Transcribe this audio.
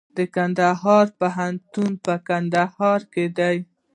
د کندهار پوهنتون په کندهار کې دی